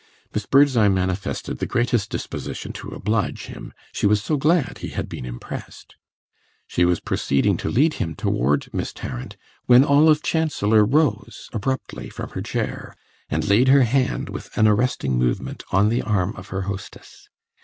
Miss Birdseye manifested the greatest disposition to oblige him; she was so glad he had been impressed. She was proceeding to lead him toward Miss Tarrant when Olive Chancellor rose abruptly from her chair and laid her hand, with an arresting movement, on the arm of her hostess.